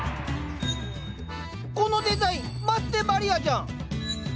このデザインマスデバリアじゃん！